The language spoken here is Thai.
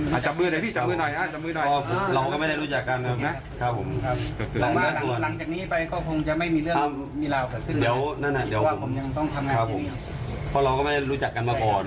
เพราะเราก็ไม่รู้จักกันมาก่อน